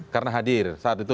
karena hadir saat itu